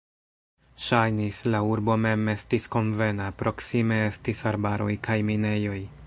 Ŝajnis, la urbo mem estis konvena, proksime estis arbaroj kaj minejoj.